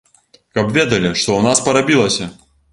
Каб ведалі, што ў нас парабілася?